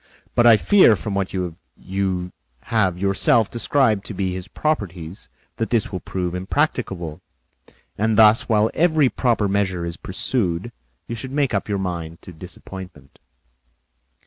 But I fear, from what you have yourself described to be his properties, that this will prove impracticable; and thus, while every proper measure is pursued, you should make up your mind to disappointment."